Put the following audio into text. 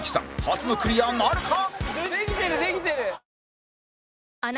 初のクリアなるか？